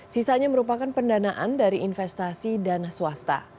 sisanya merupakan pendanaan dari investasi dana swasta